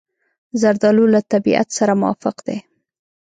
زردالو له طبیعت سره موافق دی.